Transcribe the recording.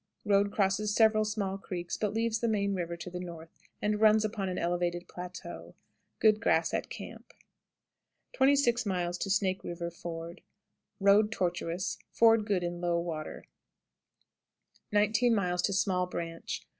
Road crosses several small creeks, but leaves the main river to the north, and runs upon an elevated plateau. Good grass at camp. 16. Snake River (ford). Road tortuous; ford good in low water. 19. Small Branch.